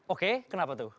oke kenapa tuh